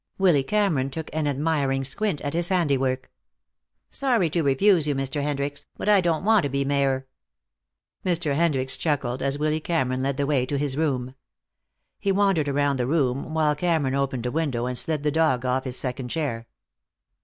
Willy Cameron took an admiring squint at his handiwork. "Sorry to refuse you, Mr. Hendricks, but I don't want to be mayor." Mr. Hendricks chuckled, as Willy Cameron led the way to his room. He wandered around the room while Cameron opened a window and slid the dog off his second chair.